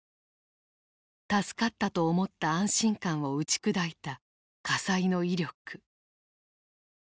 助かったと思った安心感を打ち砕いた火災の威力。